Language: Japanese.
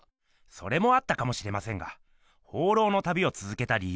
それもあったかもしれませんが放浪の旅をつづけたりゆう。